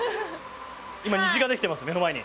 今虹ができてます目の前に。